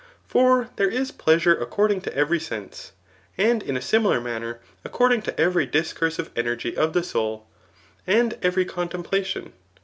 For there is pleasure ac cording to every sense ; and in a similar manner, accord ing to every discursive energy of the soul, and every contemplation.